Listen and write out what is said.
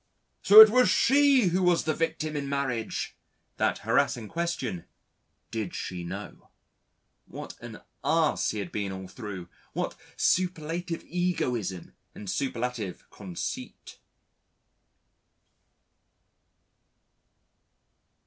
So it was she who was the victim in marriage! That harassing question: Did she know? What an ass he had been all through, what superlative egoism and superlative conceit!